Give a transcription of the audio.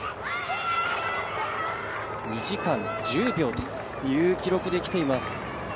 ２時間１０秒という記録できています。